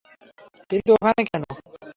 কিন্তু ওখানে কেন?